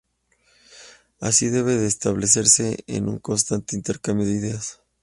Así debe de establecerse un constante intercambio de ideas.